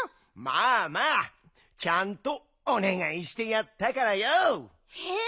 まあまあちゃんとおねがいしてやったからＹＯ。え？